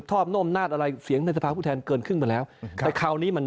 เพราะท่านได้ภูมิใจไทยกับวัยปัตร